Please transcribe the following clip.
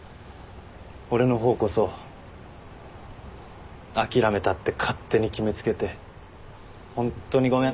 俺の方こそ諦めたって勝手に決め付けてホントにごめん。